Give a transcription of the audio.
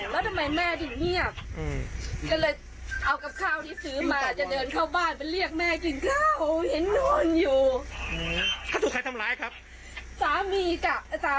มันนอนอยู่นี่โต๊ะหนูร้องโดยว่ามันก็ลุกขึ้นมา